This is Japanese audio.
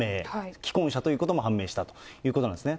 既婚者ということも判明したということなんですね。